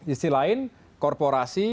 istilah lain korporasi